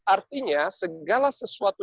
artinya segala sesuatu